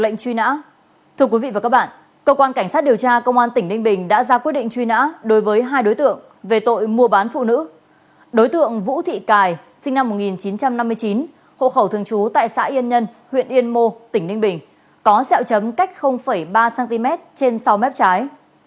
nó có xeo chấm cách ba cm trên sau mép trái